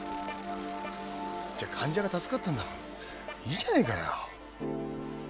じゃあ患者が助かったんだもんいいじゃないかよ